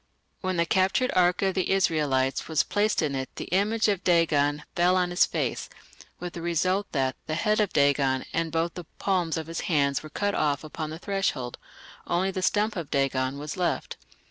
When the captured ark of the Israelites was placed in it the image of Dagon "fell on his face", with the result that "the head of Dagon and both the palms of his hands were cut off upon the threshold; only the stump of Dagon was left".